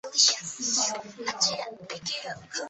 今天的日本民族主义情绪在升温。